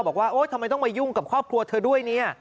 บอกว่าโอ๊ยทำไมต้องมายุ่งกับครอบครัวเธอด้วยเนี่ย